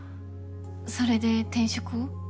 それで転職を？